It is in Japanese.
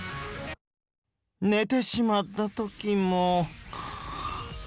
ねてしまったときも。